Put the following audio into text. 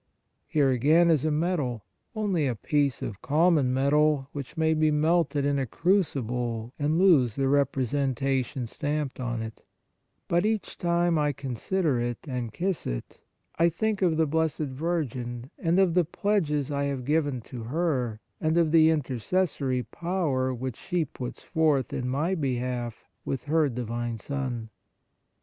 Here, again, is a 55 On the Exercises of Piety medal, only a piece of common metal which may be melted in a crucible and lose the representation stamped upon it, but each time I consider it and kiss it, I think of the Blessed Virgin, and of the pledges I have given to her, and of the inter cessory power which she puts forth in my behalf with her Divine Son.